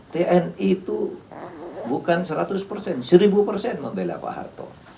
tni itu bukan seratus persen seribu persen membela pak harto